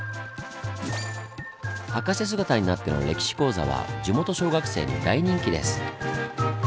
博士姿になっての歴史講座は地元小学生に大人気です。